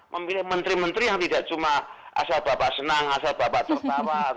memilih menteri menteri yang tidak cuma asal bapak senang asal bapak tertawa